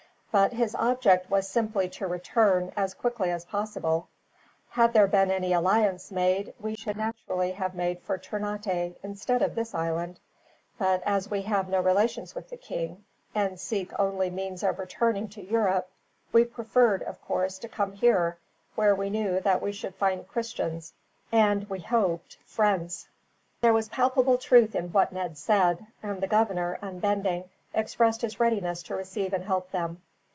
But his object was simply to return, as quickly as possible. Had there been any alliance made, we should naturally have made for Ternate, instead of this island. But as we have no relations with the king, and seek only means of returning to Europe, we preferred, of course, to come here, where we knew that we should find Christians; and, we hoped, friends." There was palpable truth in what Ned said; and the governor, unbending, expressed his readiness to receive and help them.